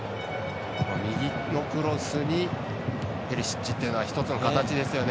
右のクロスにペリシッチっていうのは一つの形ですよね。